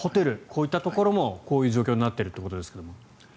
こういったところもこういう状況になっているということですけども。